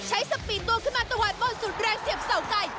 ใช้สปีนตัวขึ้นมาตะวันบนสุดแรกเสียบเสาไก่